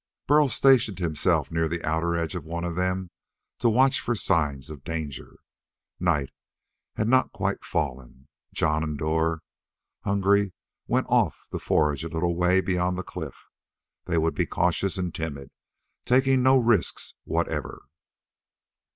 Burl stationed himself near the outer edge of one of them to watch for signs of danger. Night had not quite fallen. Jon and Dor, hungry, went off to forage a little way beyond the cliff. They would be cautious and timid, taking no risks whatever.